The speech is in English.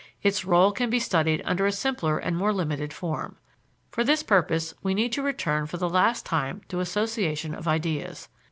Its rôle can be studied under a simpler and more limited form. For this purpose we need to return for the last time to association of ideas.